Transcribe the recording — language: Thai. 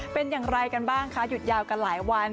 เป็นอย่างไรกันบ้างคะหยุดยาวกันหลายวัน